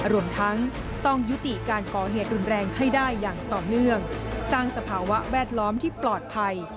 รวมทั้งต้องยุติการก่อเหตุรุนแรงให้ได้อย่างต่อเนื่องสร้างสภาวะแวดล้อมที่ปลอดภัย